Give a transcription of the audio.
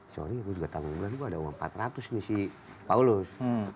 saya juga tahun ini ada uang empat ratus nih si paulus